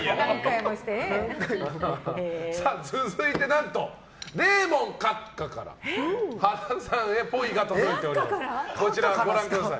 続いて、何とデーモン閣下から羽田さんへぽいが届いております。